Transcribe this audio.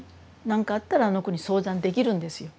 何かあったらあの子に相談できるんですよ。